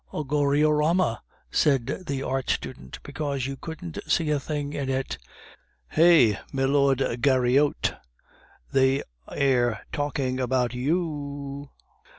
"A Goriorama," said the art student, "because you couldn't see a thing in it." "Hey! Milord Gaoriotte, they air talking about yoo o ou!"